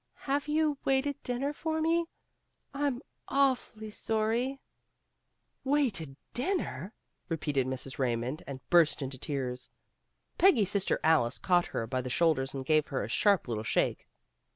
''Have you waited dinner for me? I'm. awfully sorry. " "Waited dinner," repeated Mrs. Kaymond, and burst into tears. Peggy's sister Alice caught her by the shoulders and gave her a sharp little shake.